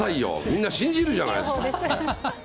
みんな信じるじゃないですか。